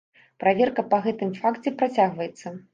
Праверка па гэтым факце працягваецца.